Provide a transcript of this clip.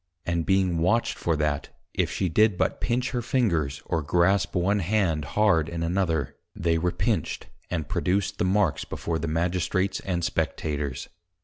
And being watched for that, if she did but Pinch her Fingers, or Grasp one Hand hard in another, they were Pinched, and produced the Marks before the Magistrates, and Spectators.